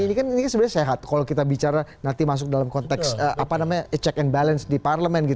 ini kan sebenarnya sehat kalau kita bicara nanti masuk dalam konteks check and balance di parlemen